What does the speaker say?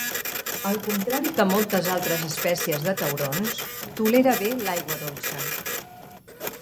Al contrari que moltes altres espècies de taurons, tolera bé l'aigua dolça.